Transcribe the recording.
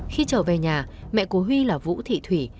khi trở về nhà mẹ của huy là vũ thị thủy